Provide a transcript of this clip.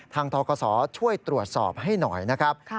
ทกศช่วยตรวจสอบให้หน่อยนะครับ